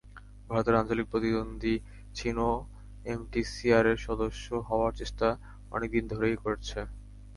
ভারতের আঞ্চলিক প্রতিদ্বন্দ্বী চীনও এমটিসিআরের সদস্য হওয়ার চেষ্টা অনেক দিন ধরেই করছে।